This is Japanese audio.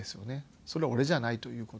それ俺じゃないということ。